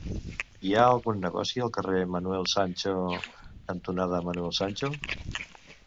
Hi ha algun negoci al carrer Manuel Sancho cantonada Manuel Sancho?